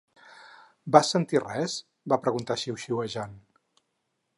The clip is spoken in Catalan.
"Vas sentir res?" va preguntar xiuxiuejant.